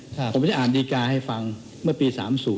ผมจะอ่านดีการ์ให้ฟังเมื่อปี๓๐